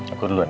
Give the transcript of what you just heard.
aku duluan ya